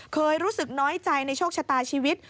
เคยรู้สึกน้อยใจในโชคชะตาชีวิต